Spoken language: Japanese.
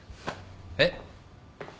えっ？